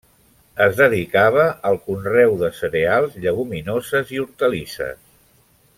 Es dedicava al conreu de cereals, lleguminoses i hortalisses.